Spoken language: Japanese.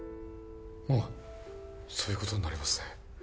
まあそういうことになりますね